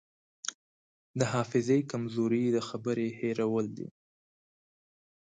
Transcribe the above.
د حافظې کمزوري د خبرې هېرول دي.